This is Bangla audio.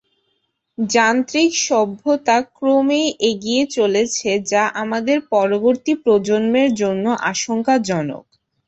যান্ত্রিক সভ্যতা ক্রমেই এগিয়ে চলেছে যা আমাদের পরবর্তী প্রজন্মের জন্য আশঙ্কাজনক।